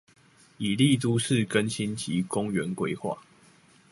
以利都市更新及公園規畫